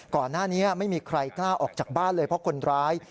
ก่อนหน้านี้ไม่มีใครกล้าออกจากบ้านเลยเพราะคนร้าย